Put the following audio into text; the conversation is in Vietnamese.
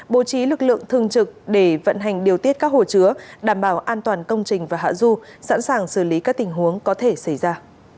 bố trí lực lượng thường trực để vận hành điều tiết các hồ chứa đảm bảo an toàn công trình và hạ du sẵn sàng xử lý các tình huống có thể xảy ra